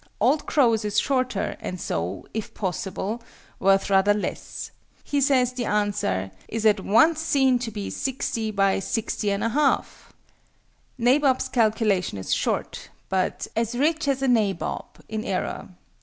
OLD CROW'S is shorter, and so (if possible) worth rather less. He says the answer "is at once seen to be 60 × 60 1/2"! NABOB'S calculation is short, but "as rich as a Nabob" in error.